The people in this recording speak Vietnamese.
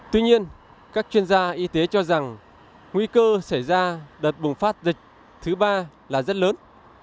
tuy nhiên các chuyên gia y tế cho rằng nguy cơ xảy ra đợt bùng phát dịch thứ ba là rất lớn